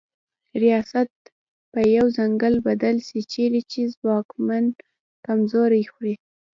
ریاست په یو ځنګل بدل سي چیري چي ځواکمن کمزوري خوري